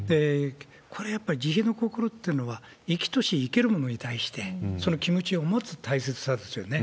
これはやっぱり慈悲の心っていうのは、生きとし生けるものに対して、その気持ちを持つ大切さですよね。